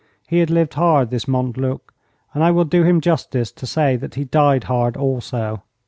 He had lived hard, this Montluc, and I will do him justice to say that he died hard also.